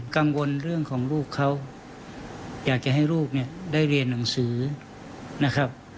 กังวลเรื่องของลูกเขาอยากจะให้ลูกเนี่ยได้เรียนหนังสือนะครับ